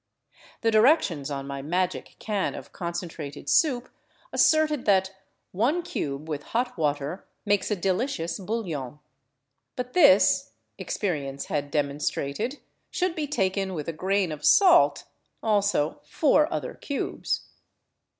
The directions on my magic can of concentrated soup asserted that " one cube with hot water makes a delicious bouillon." But this, experience had demonstrated, should be taken with a grain of salt — also four other cubes.